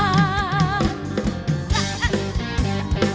ก็จะมีความสุขมากกว่าทุกคนค่ะ